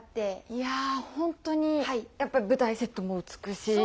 いやホントにやっぱり舞台セットも美しいし。